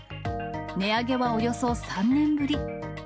値上げはおよそ３年ぶり。